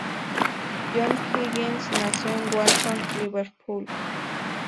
John Higgins nació en Walton, Liverpool.